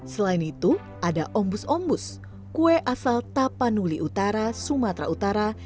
selain itu ada ombus ombus kue asal tapanuli utara sumatera utara